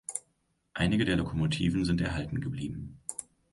Einige der Lokomotiven sind erhalten geblieben.